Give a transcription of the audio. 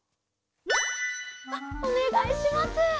あっおねがいします。